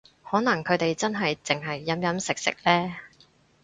可能佢哋真係淨係飲飲食食呢